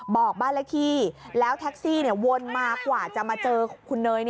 บอกบ้านเลขที่แล้วแท็กซี่วนมากว่าจะมาเจอคุณเนย